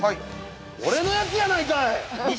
◆俺のやつやないかい！